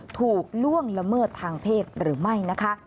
ถูกล่วงละเมิดทางเพศหรือไม่